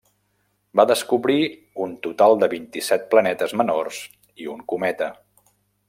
Va descobrir un total de vint-i-set planetes menors i un cometa.